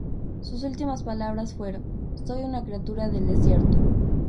Sus últimas palabras fueron: "Soy una criatura del desierto".